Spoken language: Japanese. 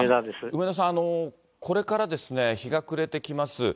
梅田さん、これからですね、日が暮れてきます。